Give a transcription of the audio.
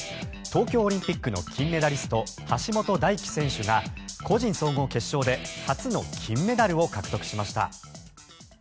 東京オリンピックの金メダリスト橋本大輝選手が個人総合決勝で初の金メダルを獲得しました。